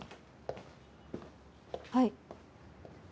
はい。